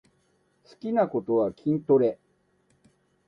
好きなことは筋トレ